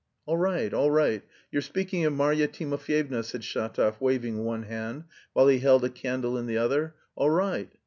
"All right, all right. You're speaking of Marya Timofyevna," said Shatov, waving one hand, while he held a candle in the other. "All right.